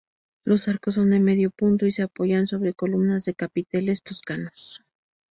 Los arcos son de medio punto y se apoyan sobre columnas de capiteles toscanos.